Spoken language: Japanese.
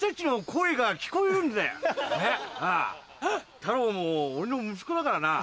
タロウも俺の息子だからな。